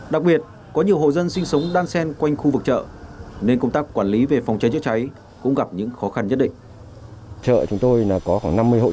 đặc biệt có nhiều hộ dân sinh sống đan sen quanh khu vực chợ nên công tác quản lý về phòng cháy chữa cháy cũng gặp những khó khăn nhất định